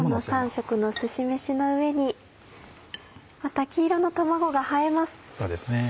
３色のすし飯の上にまた黄色の卵が映えます。